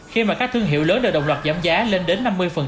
khi mà các thương hiệu lớn đều đồng loạt giảm giá lên đến năm mươi